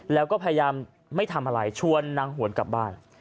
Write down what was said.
แล้วก็พยายามไม่ทำอะไรชวนนางหวนกลับบ้าน